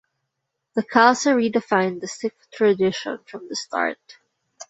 The Khalsa redefined the Sikh tradition from the start.